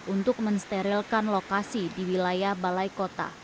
untuk mensterilkan lokasi di wilayah balai kota